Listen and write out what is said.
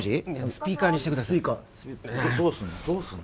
スピーカーにしてくださいどうすんの？